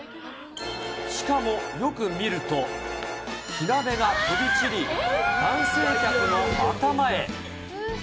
しかもよく見ると、火鍋が飛び散り、男性客の頭へ。